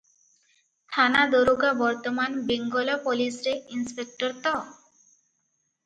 ଥାନା ଦରୋଗା ବର୍ତ୍ତମାନ ବେଙ୍ଗଲ ପୋଲିସରେ ଇନ୍ସପେକଟର ତ?